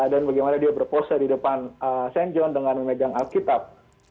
dan bagaimana dia berpose di depan st john dengan memegang alkitab